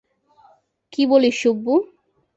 কী বলিস, সুব্বু?